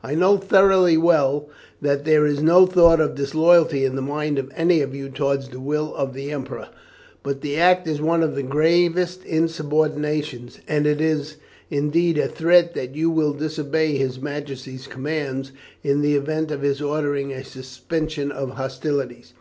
I know thoroughly well that there is no thought of disloyalty in the mind of any of you towards the will of the Emperor, but the act is one of the gravest insubordination, and it is indeed a threat that you will disobey his Majesty's commands in the event of his ordering a suspension of hostilities.